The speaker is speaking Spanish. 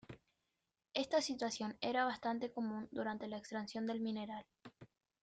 Esta situación era bastante común durante la extracción del mineral.